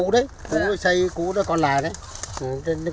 cái này cũ đấy xây cũ nó còn lại đấy